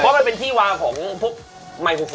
เพราะมันเป็นที่วางของพวกไมโครโฟ